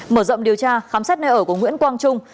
mở rộng điều tra khám xét nơi ở của nguyễn quang trung